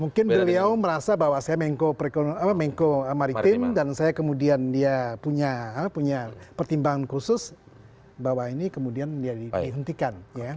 mungkin beliau merasa bahwa saya mengko maritim dan saya kemudian dia punya pertimbangan khusus bahwa ini kemudian dia dihentikan